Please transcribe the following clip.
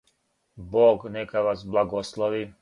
Бог нека вас благослови.